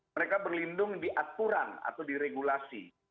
mereka berlindung di aturan atau di regulasi